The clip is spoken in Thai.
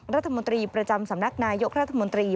รัฐมนตรีประจำสำนักนายกรัฐมนตรี